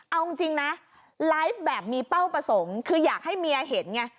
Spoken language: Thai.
เอาจริงนะไลฟ์แบบมีเป้าประสงค์คืออยากให้เมียเห็นไง